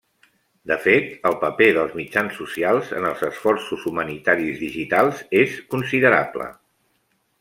De fet, el paper dels mitjans socials en els esforços humanitaris digitals és considerable.